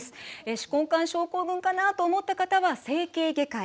手根管症候群かなと思った方は整形外科へ。